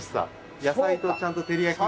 野菜とちゃんとてり焼きが。